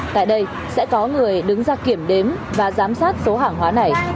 tại đây sẽ có người đứng ra kiểm đếm và giám sát số hàng hóa này